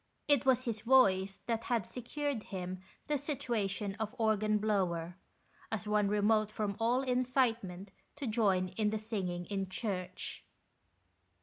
It was his voice that had secured him the situation of organ blower, as one remote from all incitement to join in the singing in church.